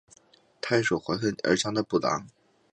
太守怀恨而将他捕拿。